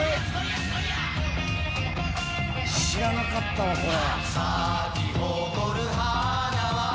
知らなかったわ、これ。